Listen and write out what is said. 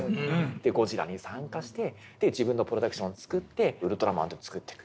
で「ゴジラ」に参加して自分のプロダクションを作って「ウルトラマン」というのを作ってく。